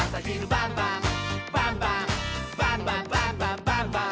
「バンバンバンバンバンバン！」